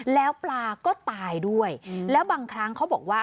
แล้วปลาก็ตายด้วยแล้วบางครั้งเขาบอกว่า